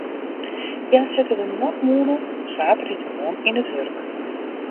Hja sette de nôtmûne op saterdeitemoarn yn it wurk.